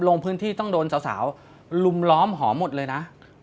ลงพื้นที่ต้องโดนสาวลุมล้อมหอหมดเลยนะ